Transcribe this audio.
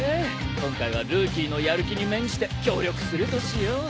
今回はルーキーのやる気に免じて協力するとしよう。